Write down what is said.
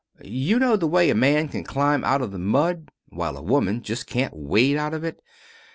You know the way a man can climb out of the mud, while a woman just can't wade out of it?